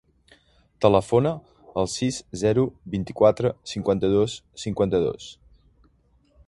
Telefona al sis, zero, vint-i-quatre, cinquanta-dos, cinquanta-dos.